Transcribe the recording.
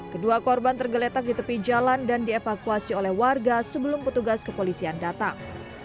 kedua korban tergeletak di tepi jalan dan dievakuasi oleh warga sebelum petugas kepolisian datang